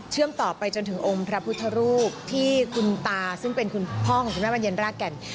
ต่อไปจนถึงองค์พระพุทธรูปที่คุณตาซึ่งเป็นคุณพ่อของคุณแม่บรรเย็นรากแก่น